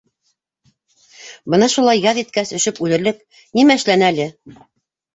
Бына шулай яҙ еткәс өшөп үлерлек нимә эшләне әле?!